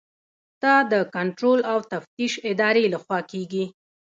دا د کنټرول او تفتیش ادارې لخوا کیږي.